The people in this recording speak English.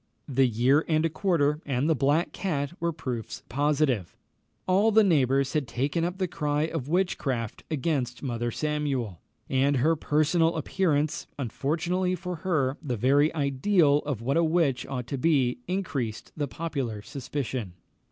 The year and a quarter and the black cat were proofs positive. All the neighbours had taken up the cry of witchcraft against Mother Samuel; and her personal appearance, unfortunately for her, the very ideal of what a witch ought to be, increased the popular suspicion.